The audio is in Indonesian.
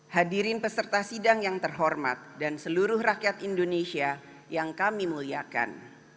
hadirin peserta sidang yang terhormat dan seluruh rakyat indonesia yang kami muliakan